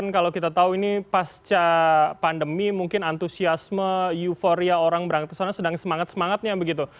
kalau kita tahu ini pasca pandemi mungkin antusiasme euforia orang berangkat ke sana sedang semangat semangatnya begitu